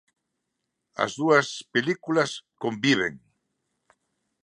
As dúas películas, conviven.